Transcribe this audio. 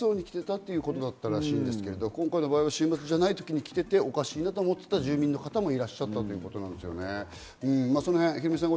週末に別荘に来ていたということだったらしいですけれど、今回は週末じゃない時に来ていて、おかしいと思った住民の方もいらっしゃったようですね。